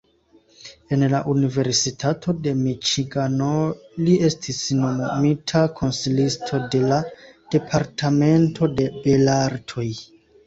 En la Universitato de Miĉigano li estis nomumita konsilisto de la departamento de belartoj.